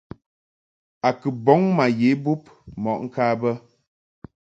A kɨ bɔŋ ma ye bub mɔʼ ŋka bə.